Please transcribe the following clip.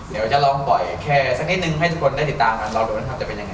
เดี๋ยวจะลองปล่อยแค่สักนิดนึงให้ทุกคนได้ติดตามกันรอดูนะครับจะเป็นยังไง